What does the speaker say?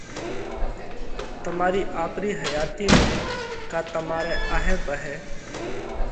تمارِي آپرِي حياتِي ۾ ڪا تمارئہ آھئہ پاھئہ